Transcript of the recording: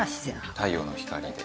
太陽の光で。